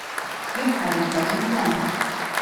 You’ve had a pleasant run!